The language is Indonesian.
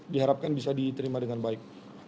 diharapkan bisa diterima dengan baik